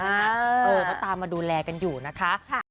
เออแล้วตามมาดูแลกันอยู่นะคะ